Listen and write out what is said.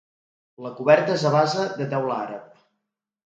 La coberta és a base de teula àrab.